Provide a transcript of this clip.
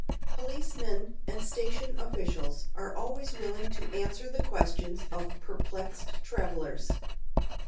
Policemen and station officials are always willing to answer the questions of perplexed travelers.